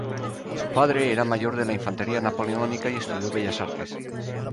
Su padre era mayor de la Infantería Napoleónica y estudió Bellas Artes.